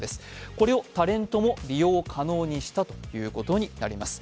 これをタレントも利用可能にしたということになります。